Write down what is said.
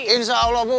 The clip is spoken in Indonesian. insya allah bu